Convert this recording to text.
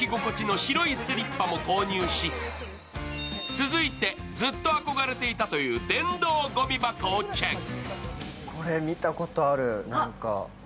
続いてずっと憧れていたという電動ごみ箱をチェック。